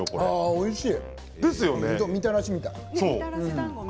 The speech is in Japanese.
おいしい。